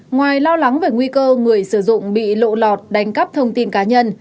ngoài lo lắng về nguy cơ người sử dụng bị lộ lọt đánh cắp thông tin cá nhân